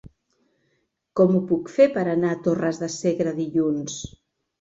Com ho puc fer per anar a Torres de Segre dilluns?